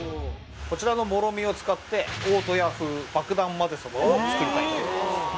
こちらのもろみを使って大戸屋風ばくだんまぜそばを作りたいと思います